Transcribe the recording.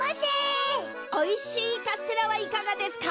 おいしいカステラはいかがですか？